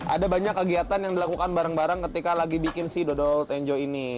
ada banyak kegiatan yang dilakukan bareng bareng ketika lagi bikin si dodol tenjo ini